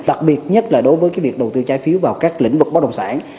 đặc biệt nhất là đối với việc đầu tư trái phiếu vào các lĩnh vực bất đồng sản